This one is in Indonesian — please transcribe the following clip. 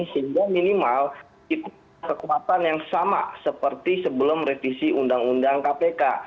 sehingga minimal itu kekuatan yang sama seperti sebelum revisi undang undang kpk